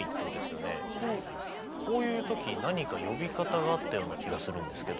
こういう時何か呼び方があったような気がするんですけど。